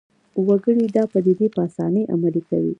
وګړي دا پدیدې په اسانۍ عملي کوي